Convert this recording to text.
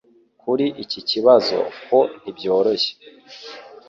Kuri iki kibazo ho ntibyoroshye